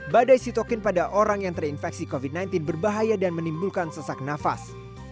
badai sitokin pada orang yang terinfeksi covid sembilan belas berbahaya dan menimbulkan sesak nafas